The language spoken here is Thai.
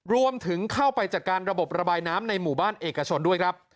รวมถึงเข้าไปจัดการระบบระบายน้ำในหมู่บ้านเอกชนด้วยครับ